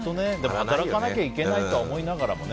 働かなきゃいけないと思いながらもね。